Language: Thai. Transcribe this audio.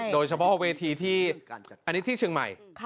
โดยเฉพาะเวทีที่อันนี้ที่เชียงใหม่